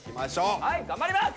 はい頑張ります！